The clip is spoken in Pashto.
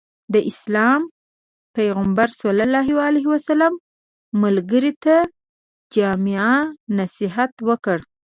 د اسلام پيغمبر ص ملګري ته جامع نصيحت وکړ.